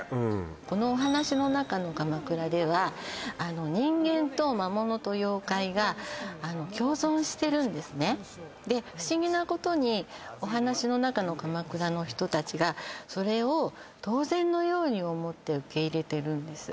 このお話の中の鎌倉ではあの人間と魔物と妖怪が共存してるんですねで不思議なことにお話の中の鎌倉の人達がそれを当然のように思って受け入れてるんです